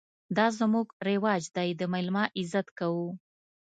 _دا زموږ رواج دی، د مېلمه عزت کوو.